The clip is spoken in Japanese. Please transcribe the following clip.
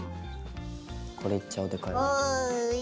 これいっちゃんでかい。